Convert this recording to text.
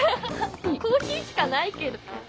コーヒーしかないけど。